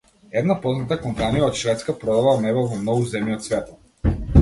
Една позната компанија од Шведска продава мебел во многу земји од светот.